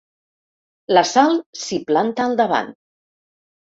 La Sal s'hi planta al davant.